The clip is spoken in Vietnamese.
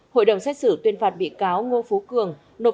hội đồng xét xử tuyên phạt bị cáo ngô phú cường